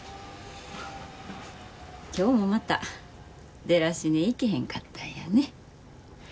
今日もまたデラシネ行けへんかったんやね。